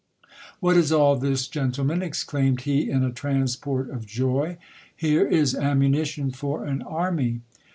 What is all this, gentlemen, exclaimed he in a transport of joy, here is ammunition for an army